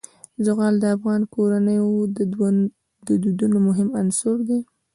زغال د افغان کورنیو د دودونو مهم عنصر دی.